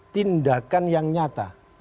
tindakan yang nyatakan